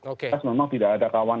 memang tidak ada kawan